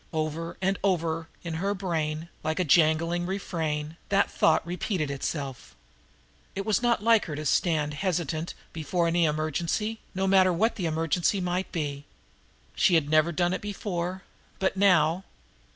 Over and over in her brain, like a jangling refrain, that thought repeated itself. It was not like her to stand hesitant before any emergency, no matter what that emergency might be. She had never done it before, but now...